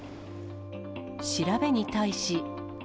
調べに対し。